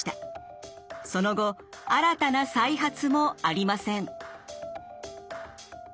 その後新たな再発もありません。